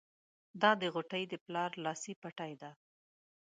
دا د غوټۍ د پلار لاسي بتۍ ده.